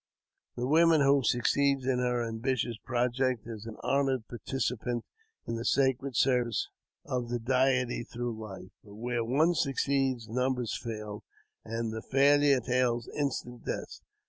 The woman who succeeds in her ambitioi project is an honoured participant in the sacred service of thj Deity through hfe ; but where one succeeds numbers fail, an< the failure entails instant death.